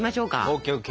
ＯＫＯＫ。